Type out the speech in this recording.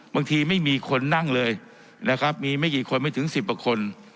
ไม่มีคนนั่งเลยนะครับมีไม่กี่คนไม่ถึง๑๐กว่าคน